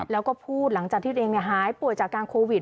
แล้วก็พูดหลังจากที่ตัวเองหายป่วยจากการโควิด